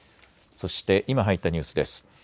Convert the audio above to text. そして今、入ったニュースです。